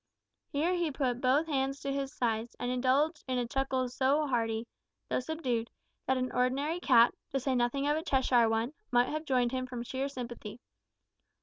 Here he put both hands to his sides, and indulged in a chuckle so hearty though subdued that an ordinary cat, to say nothing of a Cheshire one, might have joined him from sheer sympathy.